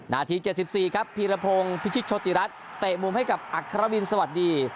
นาที๗๔ครับพีรพงศ์พิชิตโชติรัฐเตะมุมให้กับอัครวินสวัสดี